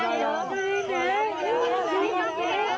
เห็นแล้วเห็นแล้ว